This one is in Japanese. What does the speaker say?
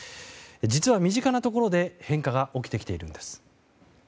実は身近なところで変化が起きてきているんです。